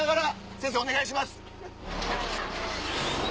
先生お願いします。